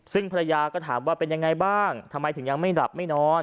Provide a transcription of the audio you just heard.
ซึ่งภรรยาก็ถามว่าเป็นยังไงบ้างทำไมถึงยังไม่หลับไม่นอน